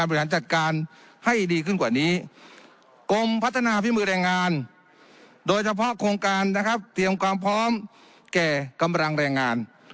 พิมพ์แรงงานโดยเฉพาะโครงการนะครับเตรียมความพร้อมแก่กำลังแรงงาน